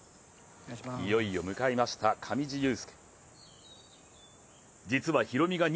いよいよ向かいました上地雄輔。